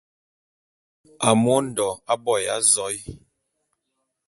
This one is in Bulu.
Amu Ondo aboya azoé.